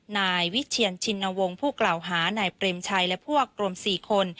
นายวิเชียนชินวงศ์ผู้กล่าวหานายเปรมชัยและพวกรวม๔คน